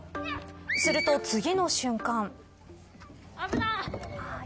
すると、次の瞬間。